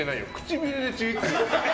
唇でちぎってる。